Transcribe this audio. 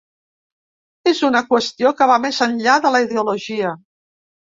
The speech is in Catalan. És una qüestió que va més enllà de la ideologia.